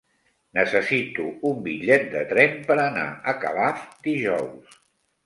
Necessito un bitllet de tren per anar a Calaf dijous.